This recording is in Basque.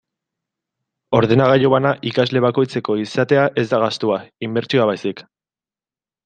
Ordenagailu bana ikasle bakoitzeko izatea ez da gastua, inbertsioa baizik.